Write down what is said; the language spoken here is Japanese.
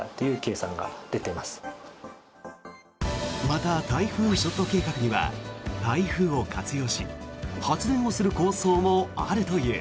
またタイフーンショット計画には台風を活用し発電をする構想もあるという。